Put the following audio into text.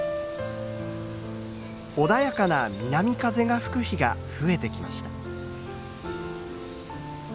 穏やかな南風が吹く日が増えてきました。